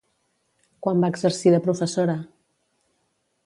Quan va exercir de professora?